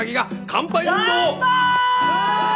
乾杯！